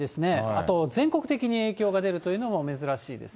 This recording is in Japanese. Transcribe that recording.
あと全国的に影響が出るというのも珍しいです。